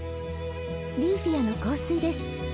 リーフィアの香水です。